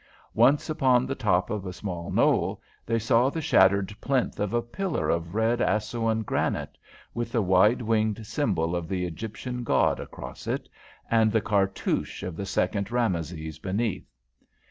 Once, upon the top of a little knoll, they saw the shattered plinth of a pillar of red Assouan granite, with the wide winged symbol of the Egyptian god across it, and the cartouche of the second Rameses beneath.